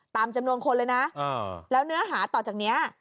ตามจำนวนคนเลยนะแล้วเนื้อหาต่อจากนี้